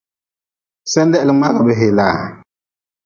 Senda heli mngaagʼbe helaa.